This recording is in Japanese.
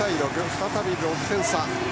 再び６点差。